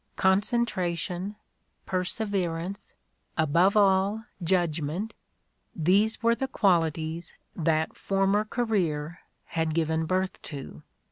Concentration, perse verance, above all, judgment — these were the qualities that former career had given birth to.